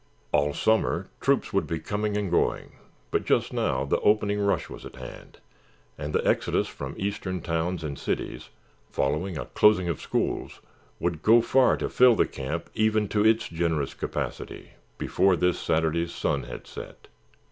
All summer troops would be coming and going, but just now the opening rush was at hand, and the exodus from eastern towns and cities, following the closing of schools, would go far to fill the camp even to its generous capacity before this Saturday's sun had set.